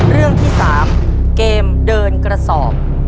เรื่องที่๓เกมเดินกระสอบ